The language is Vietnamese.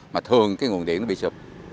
mà thường cái nguồn điện nó bị sụp